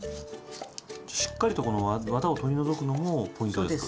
じゃあしっかりとこのわたを取り除くのもポイントですか？